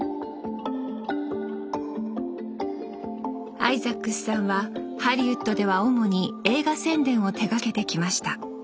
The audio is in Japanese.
アイザックスさんはハリウッドでは主に映画宣伝を手がけてきました